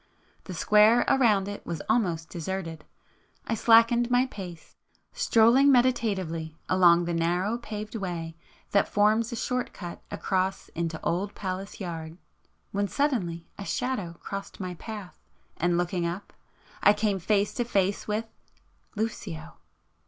The square around it was almost deserted,——I slackened my pace, strolling meditatively along the narrow paved way that forms a short cut across into Old Palace Yard, ... when suddenly a Shadow crossed my path, and looking up, I came face to face with——Lucio!